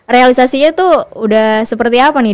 realisasinya tuh udah seperti apa nih